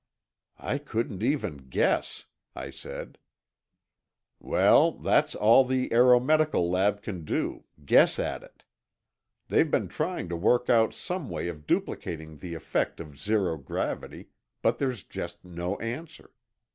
"I couldn't even guess," I said. "Well, that's all the Aero Medical lab can do—guess at it. They've been trying to work out some way of duplicating the effect of zero gravity, but there's just no answer.